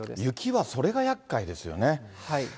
雪はそれがやっかいですよね。